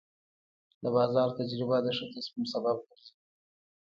د بازار تجربه د ښه تصمیم سبب ګرځي.